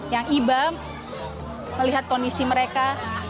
yang iba melihat kondisi mereka